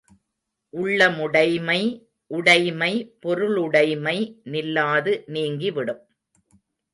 உள்ள முடைமை உடைமை பொருளுடைமை நில்லாது நீங்கி விடும்.